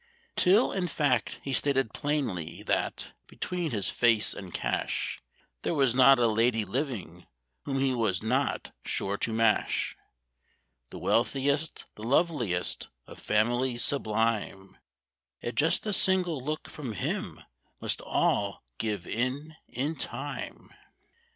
Till, in fact, he stated plainly that, between his face and cash, There was not a lady living whom he was not sure to mash; The wealthiest, the loveliest, of families sublime, At just a single look from him must all give in in time.